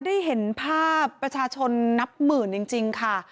ได้เห็นภาพประชาชนนับหมื่นจริงค่ะ